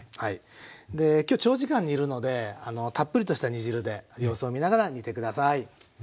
で今日長時間煮るのでたっぷりとした煮汁で様子を見ながら煮て下さい。